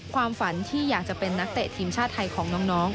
ความฝันที่อยากจะเป็นนักเตะทีมชาติไทยของน้อง